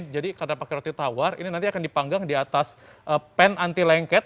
jadi karena pakai roti tawar ini nanti akan dipanggang di atas pan anti lengket